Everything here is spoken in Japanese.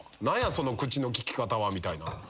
「何やその口の利き方は」みたいな。